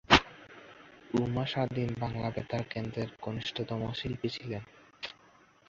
উমা স্বাধীন বাংলা বেতার কেন্দ্রের কনিষ্ঠতম শিল্পী ছিলেন।